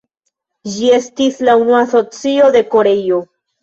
Ĝi estis la unua Asocio en Koreio.